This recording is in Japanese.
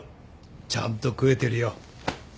ちゃんと食えてるよ。